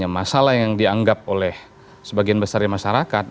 masalah yang dianggap oleh sebagian besar masyarakat